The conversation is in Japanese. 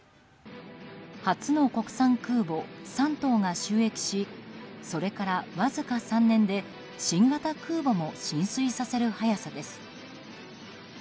初の国産空母「山東」が就役しそれからわずか３年で新型空母も進水させる早さです。